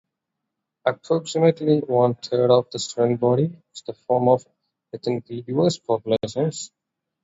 Approximately one-third of the student body is from ethnically diverse populations.